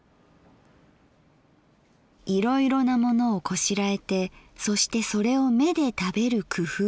「いろいろなものをこしらえてそしてそれを目で食べる工夫をする。